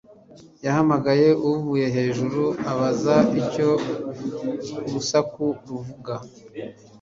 yahamagaye avuye hejuru abaza icyo urusaku ruvuga